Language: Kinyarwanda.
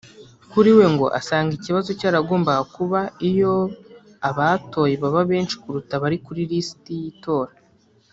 Kuri we ngo asanga ikibazo cyaragombaga kuba iyo abatoye baba benshi kuruta abari kuri lisiti y’itora